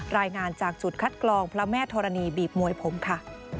รายงานจากจุดคัดกรองพระแม่ธรณีบีบมวยผมค่ะ